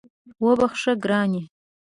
وبخښه ګرانې